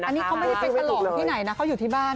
เพราะที่เค้าไม่เป็นตะหล่อที่ไหนน่ะเค้าอยู่ที่บ้าน